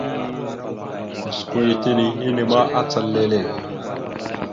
Gosko ya tinaŋ henne ma acal lele.